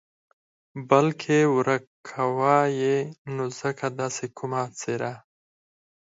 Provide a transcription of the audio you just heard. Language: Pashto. بلکې ورک کاوه یې نو ځکه داسې کومه څېره.